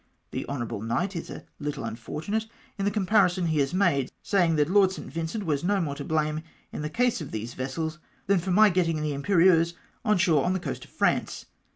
The Honourable Knight is a little unfortunate in the comparison he has made — saying, that Lord St. Vincent was no more to blame in the case of these vessels, than for my getting the Imperieuse on shore on the coast of France.